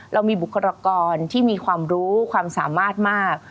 เรามีบุคลากรที่มีความรู้ความสามารถมาก